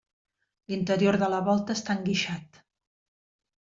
L'interior de la volta està enguixat.